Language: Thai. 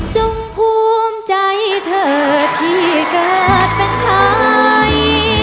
ภูมิใจเธอที่เกิดเป็นไทย